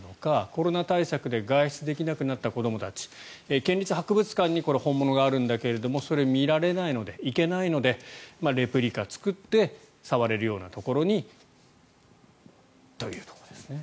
コロナ対策で外出できなくなった子どもたち県立博物館に本物があるんだけれどそれを見られないので行けないのでレプリカを作って触れるようなところにというところですね。